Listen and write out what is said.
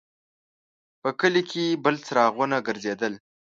په کلي کې بل څراغونه ګرځېدل.